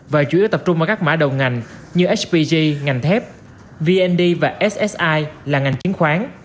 và chủ yếu tập trung vào các mã đầu ngành như hpg ngành thép vnd và ssi là ngành chiến khoán